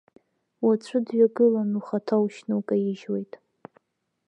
Уаҵәы дҩагыланы, ухаҭа ушьны улкаижьуеит.